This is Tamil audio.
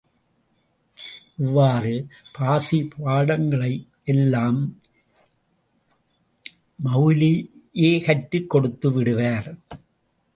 இவ்வாறு பார்சி பாடங்களை எல்ல்ாம் மெளலவியே கற்றுக் கொடுத்து விடுவார்.